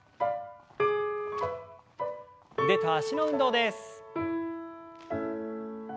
腕と脚の運動です。